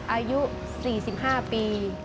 อายุ๔๕ปี